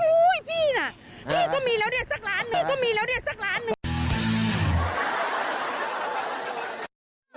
อุ้ยพี่น่ะพี่ก็มีแล้วเนี่ยสักร้านหนึ่งพี่ก็มีแล้วเนี่ยสักร้านหนึ่ง